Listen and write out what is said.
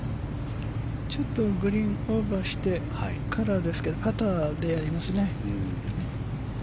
ちょっとグリーン、オーバーしてカラーですけどパターでやりますね。